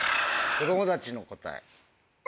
子供たちの答え。